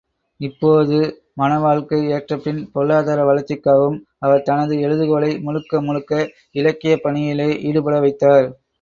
இப்போது மாணவாழ்க்கை ஏற்றபின்பு பொருளாதார வளர்ச்சிக்காகவும் அவர் தனது எழுதுகோலை முழுக்க முழுக்க இலக்கியப் பணியிலே ஈடுபட வைத்தார்.